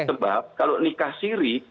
sebab kalau nikah siri